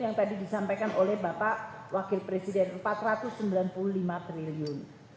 yang tadi disampaikan oleh bapak wakil presiden rp empat ratus sembilan puluh lima triliun